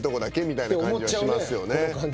みたいな感じはしますよね。